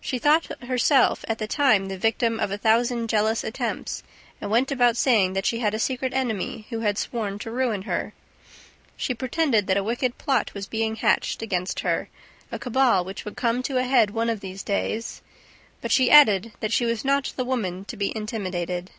She thought herself, at that time, the victim of a thousand jealous attempts and went about saying that she had a secret enemy who had sworn to ruin her. She pretended that a wicked plot was being hatched against her, a cabal which would come to a head one of those days; but she added that she was not the woman to be intimidated.